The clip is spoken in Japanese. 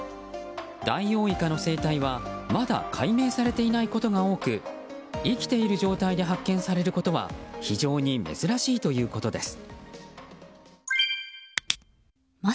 ダイオウイカの生態はまだ解明されていないことが多く生きている状態で発見されることは非常に珍しいということです。